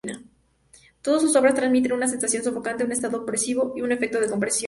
Todas sus obras transmiten una sensación sofocante, un estado opresivo, un efecto de compresión.